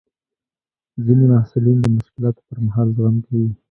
ځینې محصلین د مشکلاتو پر مهال زغم کوي.